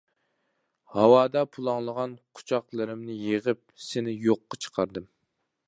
ھاۋادا پۇلاڭلىغان قۇچاقلىرىمنى يىغىپ سېنى يوققا چىقاردىم.